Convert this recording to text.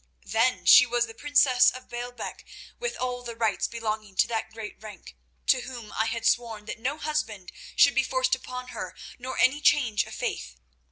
Then she was the princess of Baalbec, with all the rights belonging to that great rank, to whom I had sworn that no husband should be forced upon her, nor any change of faith.